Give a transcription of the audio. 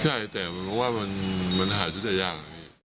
ใช่แต่มันหาชุดจะยาก